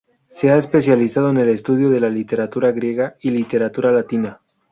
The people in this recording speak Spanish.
Se ha especializado en el estudio de la literatura griega y literatura latina.